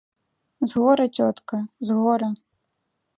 З гора, цётка, з гора.